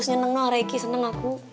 seneng reiki seneng aku